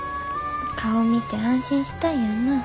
顔見て安心したいやんなぁ。